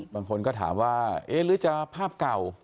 บางคนก็ถามว่าเอ๊ะหรือจะภาพเก่า